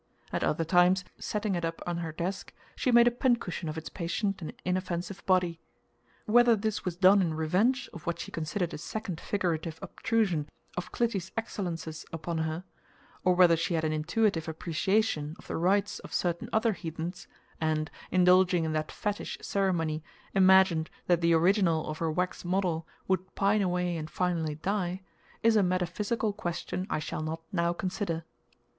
At other times, setting it up on her desk, she made a pincushion of its patient and inoffensive body. Whether this was done in revenge of what she considered a second figurative obtrusion of Clytie's excellences upon her, or whether she had an intuitive appreciation of the rites of certain other heathens, and, indulging in that "fetish" ceremony, imagined that the original of her wax model would pine away and finally die, is a metaphysical question I shall not now consider.